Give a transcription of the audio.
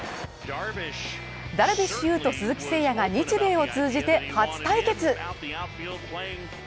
ダルビッシュ有と鈴木誠也が日米を通じて初対決。